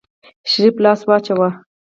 شريف لاس واچوه.